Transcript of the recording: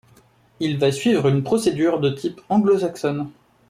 Il va suivre une procédure de type anglo-saxonne.